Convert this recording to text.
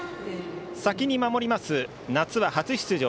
先に守ります、夏は初出場